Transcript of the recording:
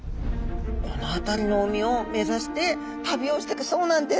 この辺りの海を目指して旅をしていくそうなんです。